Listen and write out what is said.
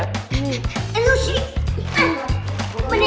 eh lu sih